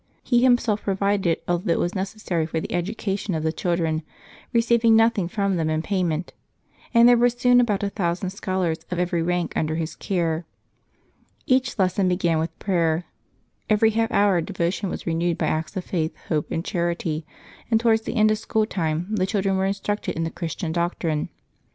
He himself provided all that was necessary for the education of the children, receiving nothing from them in payment, and there were soon about a thousand scholars of every rank under his care. Each lesson began with prayer. Every half hour devotion was renewed by acts of faith, hope, and charity, and towards the end of school time the children were instructed in the Christian doctrine.